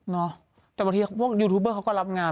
แต่บางทีพวกยูทูบเบอร์เขาก็รับงาน